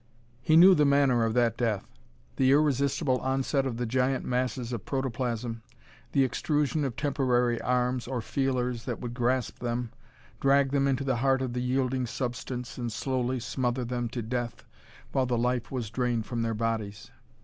He knew the manner of that death. The irresistible onset of the giant masses of protoplasm, the extrusion of temporary arms, or feelers, that would grasp them, drag them into the heart of the yielding substance, and slowly smother them to death while the life was drained from their bodies.